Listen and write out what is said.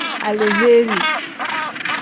Aleheeri.